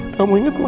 kamu ingat ma